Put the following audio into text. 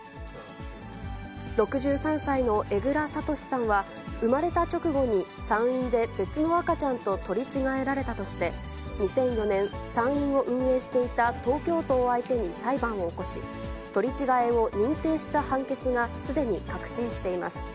６３歳の江蔵智さんは、産まれた直後に産院で別の赤ちゃんと取り違えられたとして、２００４年、産院を運営していた東京都を相手に裁判を起こし、取り違えを認定した判決がすでに確定しています。